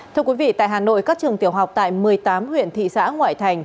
thưa quý vị tại hà nội các trường tiểu học tại một mươi tám huyện thị xã ngoại thành